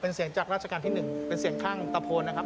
เป็นเสียงจากราชการที่๑เป็นเสียงข้างตะโพนนะครับ